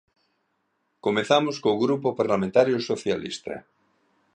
Comezamos co Grupo Parlamentario Socialista.